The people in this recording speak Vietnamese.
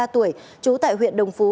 ba mươi ba tuổi trú tại huyện đồng phú